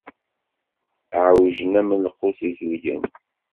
Ɛewjen am lqus izelgen.